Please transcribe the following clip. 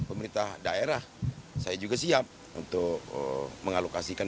pemerintah daerah saya juga siap untuk mengalokasikan